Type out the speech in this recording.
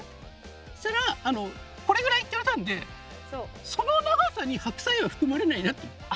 そしたらこれぐらいって言われたんでその長さに白菜は含まれないなって思った。